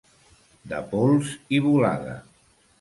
De pols i volada.